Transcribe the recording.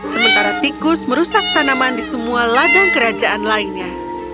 sementara tikus merusak tanaman di semua ladang kerajaan lainnya